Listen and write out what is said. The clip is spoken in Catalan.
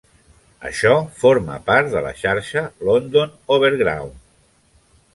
Això forma part de la xarxa London Overground.